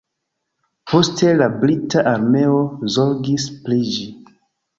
Poste la brita armeo zorgis pri ĝi.